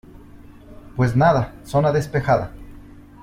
pues nada, zona despejada